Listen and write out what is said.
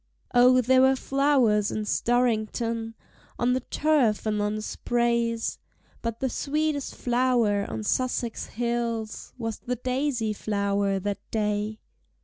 Oh, there were flowers in Storrington On the turf and on the sprays; But the sweetest flower on Sussex hills Was the Daisy flower that day!